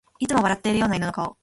いつも笑ってるような顔の犬